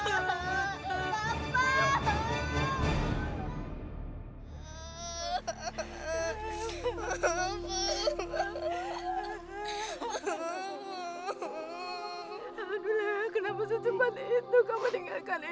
alguleh kenapa secepat itu kamu meninggalkan ibu